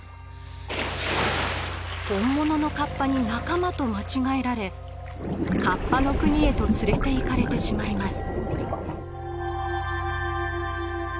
本物の河童に仲間と間違えられ河童の国へと連れていかれてしまいます。